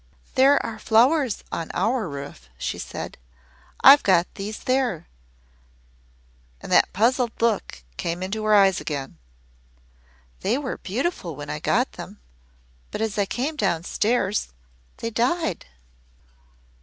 "'There are flowers on our roof,' she said. 'I got these there.' And that puzzled look came into her eyes again. 'They were beautiful when I got them but as I came down stairs they died.'